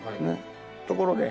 ところで。